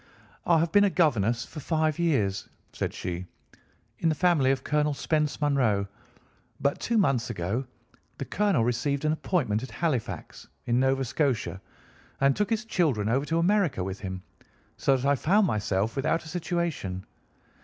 "I have been a governess for five years," said she, "in the family of Colonel Spence Munro, but two months ago the colonel received an appointment at Halifax, in Nova Scotia, and took his children over to America with him, so that I found myself without a situation.